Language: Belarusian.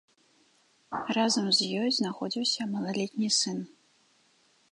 Разам з ёй знаходзіўся малалетні сын.